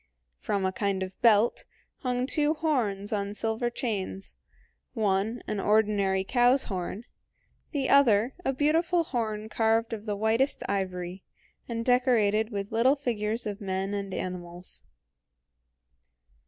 From a kind of belt hung two horns on silver chains, one an ordinary cow's horn, the other a beautiful horn carved of the whitest ivory, and decorated with little figures of men and animals.